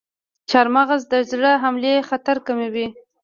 چارمغز د زړه حملې خطر کموي.